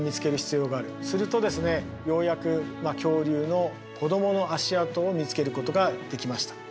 するとですねようやく恐竜の子供の足跡を見つけることができました。